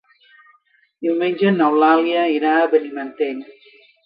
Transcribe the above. Diumenge n'Eulàlia irà a Benimantell.